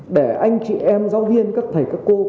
để anh chị em giáo viên các thầy các cô